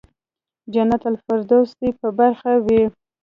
جنت الفردوس دې په برخه وي.